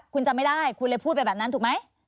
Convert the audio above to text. คุณจำไม่ได้คุณเลยพูดไปแบบนั้นถูกไหม